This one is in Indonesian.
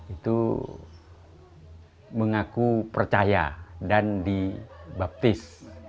itu mengaku percaya dan dibaptis